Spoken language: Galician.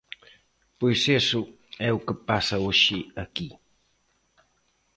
Pois iso é o que pasa hoxe aquí.